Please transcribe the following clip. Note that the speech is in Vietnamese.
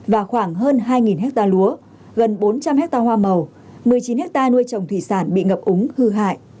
và khoảng hơn hai hecta lúa gần bốn trăm linh hecta hoa màu một mươi chín hecta nuôi trồng thủy sản bị ngập úng hư hại